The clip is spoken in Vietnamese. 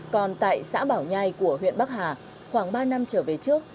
còn tại xã bảo nhai của huyện bắc hà khoảng ba năm trở về trước